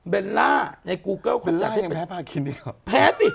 เบลล่ากันแพ้พาคินอีกหรอ